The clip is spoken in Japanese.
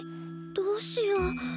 どうしよう。